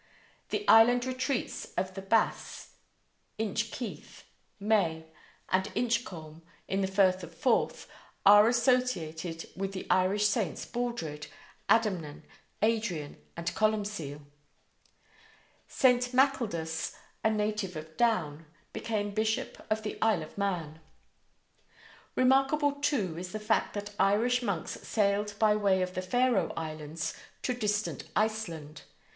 The island retreats of the Bass, Inchkeith, May, and Inchcolm, in the Firth of Forth, are associated with the Irish saints Baldred, Adamnan, Adrian, and Columcille. St. Maccaldus, a native of Down, became bishop of the Isle of Man. Remarkable, too, is the fact that Irish monks sailed by way of the Faroe Islands to distant Iceland.